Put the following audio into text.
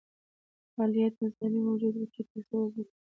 مالیاتي نظام موجود و چې ټکس یې وضعه کړی و.